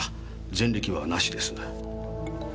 前歴はなしです。